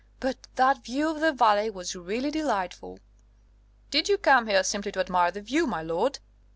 But that view of the valley was really delightful!" "Did you come here simply to admire the view, my lord?"